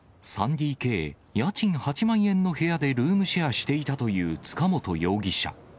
ことし２月から、３ＤＫ、家賃８万円の部屋でルームシェアしていたという塚本容疑者。